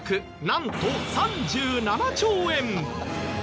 なんと３７兆円！